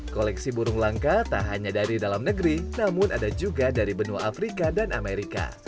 koleksi burung langka tak hanya dari dalam negeri namun ada juga dari benua afrika dan amerika